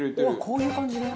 こういう感じね。